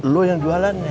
lo yang jualannya